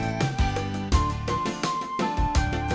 sitoran dari saya denny sama iding